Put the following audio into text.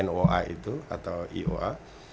noa itu atau ioa